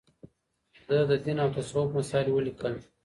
ده د دين او تصوف مسايل وليکل